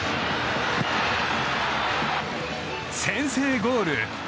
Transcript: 先制ゴール。